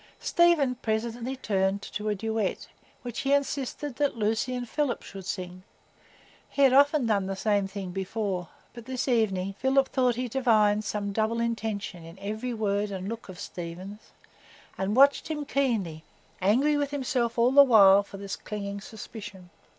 Stephen presently turned to a duet which he insisted that Lucy and Philip should sing; he had often done the same thing before; but this evening Philip thought he divined some double intention in every word and look of Stephen's, and watched him keenly, angry with himself all the while for this clinging suspicion.